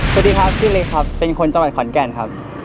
สวัสดีครับชื่อเล็กครับเป็นคนจังหวัดขอนแก่นครับ